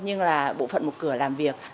nhưng là bộ phận một cửa làm việc